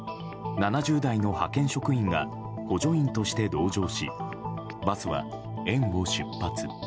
７０代の派遣職員が補助員として同乗しバスは園を出発。